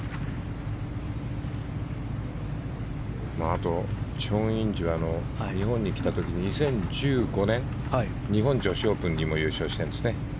あとチョン・インジは日本に来た時２０１５年日本女子オープンにも優勝してるんですね。